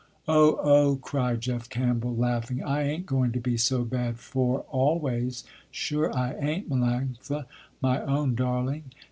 "Oh! Oh!" cried Jeff Campbell, laughing, "I ain't going to be so bad for always, sure I ain't, Melanctha, my own darling.